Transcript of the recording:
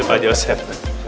ini pak joseph